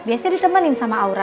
biasanya ditemenin sama aura